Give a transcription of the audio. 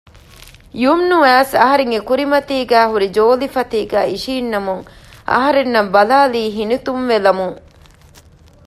ޔުމްނު އައިސް އަހަރެންގެ ކުރިމަތީގައި ހުރި ޖޯލިފަތީގައި އިށީންނަމުން އަހަރެންނަށް ބަލާލީ ހިނިތުންވެލަމުން